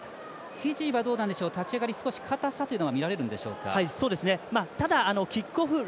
フィジーは立ち上がりかたさというのは見られるんでしょうか。